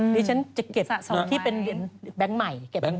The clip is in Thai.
นี่ฉันจะเก็บที่เป็นแบงก์ใหม่